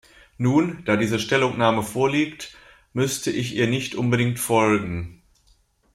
Nun, da diese Stellungnahme vorliegt, müsste ich ihr nicht unbedingt folgen.